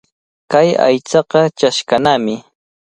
Kay aychaqa chashqanami.